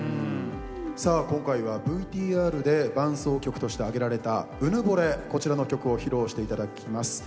さあ今回はＶＴＲで伴走曲として挙げられた「うぬぼれ」こちらの曲を披露していただきます。